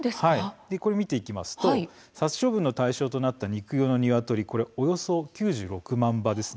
見ていきますと殺処分の対象となった肉用のニワトリおよそ９６万羽です。